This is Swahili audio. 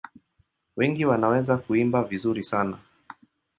Wengi wanaweza kuimba vizuri sana.